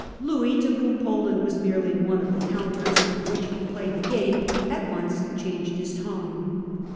Louis, to whom Poland was merely one of the counters with which he played the game, at once changed his tone.